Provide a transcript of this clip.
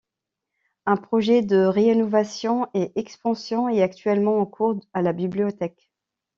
Un projet de rénovation et expansion est actuellement en cours à la bibliothèque.